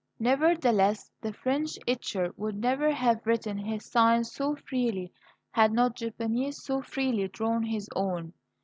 Nevertheless, the French etcher would never have written his signs so freely had not the Japanese so freely drawn his own.